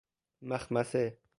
مخمصه